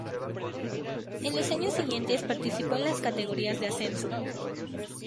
En los años siguientes participó en las categorías de ascenso.